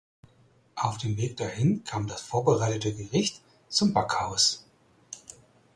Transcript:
Auf dem Weg dahin kam das vorbereitete Gericht zum Backhaus.